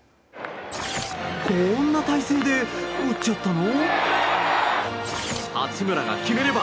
こんな体勢で打っちゃったの？